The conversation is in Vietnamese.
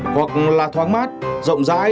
hoặc là thoáng mát rộng rãi